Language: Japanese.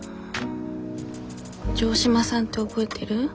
城島さんって覚えてる？